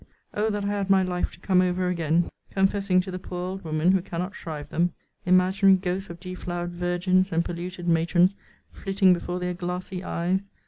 Oh! that I had my life to come over again! Confessing to the poor old woman, who cannot shrive them! Imaginary ghosts of deflowered virgins, and polluted matrons, flitting before their glassy eyes!